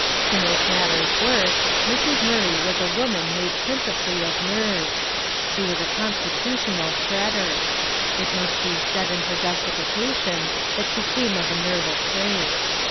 To make matters worse, Mrs. Murray was a woman made principally of nerves. She was a constitutional fretter. It must be said in her justification that she came of a nervous race.